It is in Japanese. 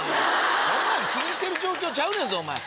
そんなん気にしてる状況ちゃうねんぞ。